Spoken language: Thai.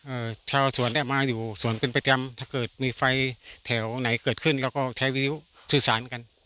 ชาวสวนเนี้ยมาอยู่สวนเป็นประจำถ้าเกิดมีไฟแถวไหนเกิดขึ้นเราก็ใช้วิวสื่อสารกัน